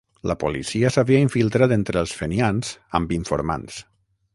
La policia s'havia infiltrat entre els fenians amb informants.